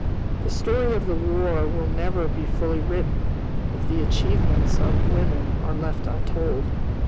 The story of the War will never be fully written if the achievements of women are left untold.